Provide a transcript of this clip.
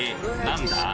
何だ？